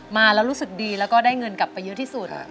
มาแล้วรู้สึกดีแล้วก็ได้เงินกลับไปเยอะที่สุด